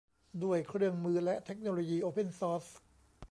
ด้วยเครื่องมือและเทคโนโลยีโอเพ่นซอร์ส